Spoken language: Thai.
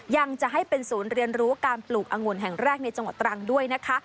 ยังจะให้เป็นศูนย์เรียนรู้การปลูกอังุ่นแห่งแรกในจังหวัดตรังด้วยนะคะ